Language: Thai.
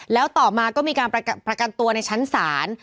แล้วต่อมาก็มีการประกันตัวในชั้นศาล